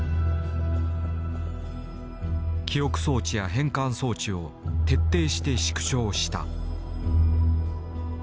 記憶装置や変換装置を徹底して縮小した。